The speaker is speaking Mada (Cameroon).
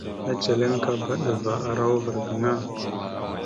Eceleŋkaba dəva ara uvaɗ gaŋa.